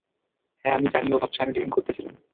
হ্যাঁ -আমি জানি ও ভাবছে আমি ড্রিঙ্ক করতেছিলাম।